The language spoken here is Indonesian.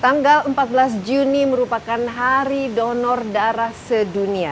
tanggal empat belas juni merupakan hari donor darah sedunia